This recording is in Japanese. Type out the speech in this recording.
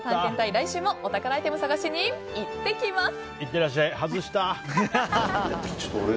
来週もお宝アイテム探しに行ってきます！